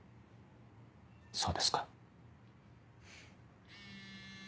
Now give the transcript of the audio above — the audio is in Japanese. そうですか。